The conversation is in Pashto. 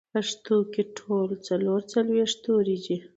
پښتو کې ټول څلور څلوېښت توري دي